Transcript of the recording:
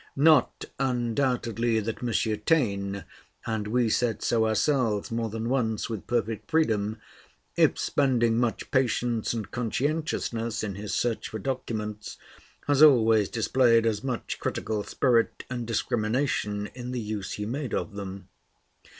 Not, undoubtedly, that M. Taine and we said so ourselves more than once with perfect freedom if spending much patience and conscientiousness in his search for documents, has always displayed as much critical spirit and discrimination in the use he made of them.